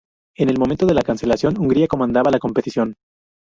En el momento de la cancelación, Hungría comandaba la competición.